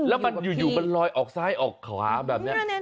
แล้วมันอยู่มันลอยออกซ้ายออกขวาแบบนี้